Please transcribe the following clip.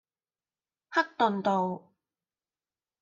克頓道